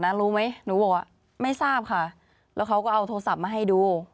ยังค่ะคือเขาเห็นหนูถือเงินอยู่